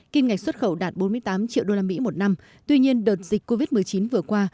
kim ngạch xuất khẩu đạt bốn mươi tám triệu usd một năm tuy nhiên đợt dịch covid một mươi chín vừa qua